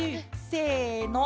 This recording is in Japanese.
せの！